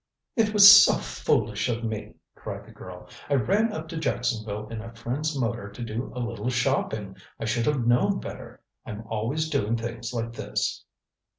"It was so foolish of me," cried the girl. "I ran up to Jacksonville in a friend's motor to do a little shopping. I should have known better. I'm always doing things like this."